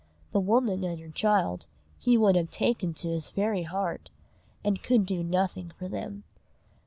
The woman and her child he would have taken to his very heart, and could do nothing for them.